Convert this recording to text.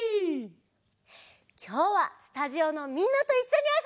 きょうはスタジオのみんなといっしょにあそぶよ！